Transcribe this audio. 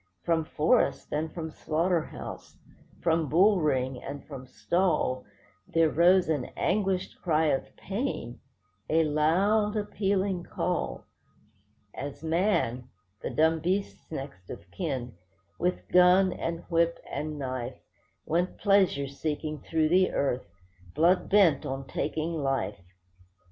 From forest, and from slaughter house, from bull ring, and from stall, There rose an anguished cry of pain, a loud, appealing call; As man—the dumb beast's next of kin—with gun, and whip, and knife, Went pleasure seeking through the earth, blood bent on taking life.